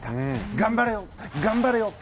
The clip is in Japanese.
頑張れよ、頑張れよと。